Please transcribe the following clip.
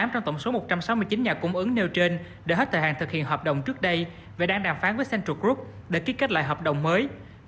tám trong tổng số một trăm sáu mươi chín nhà cung ứng nêu trên đã hết thời hạn thực hiện hợp đồng trước đây và đang đàm phán với central group để ký kết lại hợp đồng mới